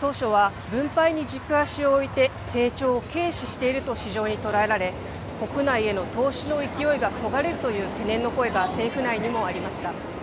当初は、分配に軸足を置いて、成長を軽視していると市場に捉えられ、国内への投資の勢いがそがれるという懸念の声が政府内にもありました。